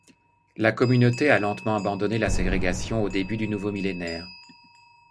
La communauté a lentement abandonné la ségrégation au début du nouveau millénaire.